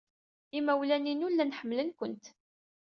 Imawlan-inu llan ḥemmlen-kent.